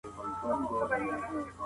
فشار بدن د ننګونو لپاره چمتو کوي.